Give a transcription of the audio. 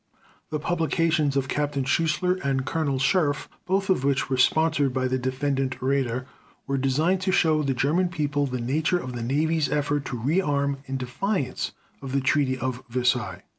The publications of Captain Schuessler and Colonel Scherff, both of which were sponsored by the Defendant Raeder, were designed to show the German People the nature of the Navy's effort to rearm in defiance of the Treaty of Versailles.